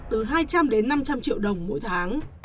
từ hai trăm linh đến năm trăm linh triệu đồng mỗi tháng